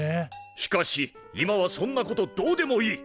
しかし今はそんなことどうでもいい！